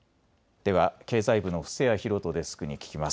では経済部の布施谷博人デスクに聞きます。